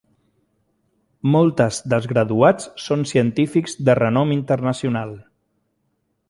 Moltes dels graduats són científics de renom internacional.